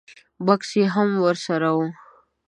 بکس یې هم ور سره و.